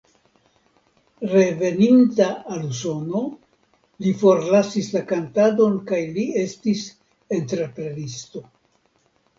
Reveninta al Usono li forlasis la kantadon kaj li estis entreprenisto.